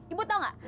ibu tau gak